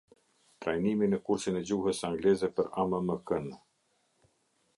Trajnimi në kursin e gjuhës angleze per ammk-ne